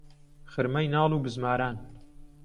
خرمەی ناڵ و بزماران